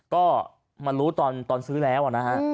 ก็มารู้ตอนซื้อแล้วนะฮะ